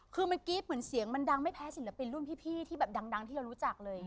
คือเมื่อกี้เหมือนเสียงมันดังไม่แพ้ศิลปินรุ่นพี่ที่แบบดังที่เรารู้จักเลย